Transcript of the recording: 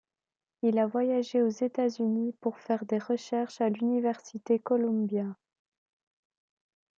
Il a voyagé aux États-Unis pour faire des recherches à l'université Columbia.